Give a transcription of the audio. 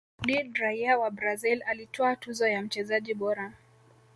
Did raia wa brazil alitwaa tuzo ya mchezaji bora